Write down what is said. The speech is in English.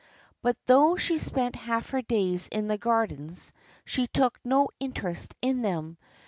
But though she spent half her days in the gardens she took no interest in them.